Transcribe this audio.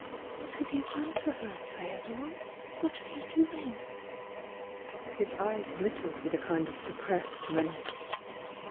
"What have you done to her, Feodor? What are you doing?" His eyes glittered with a kind of suppressed men ace.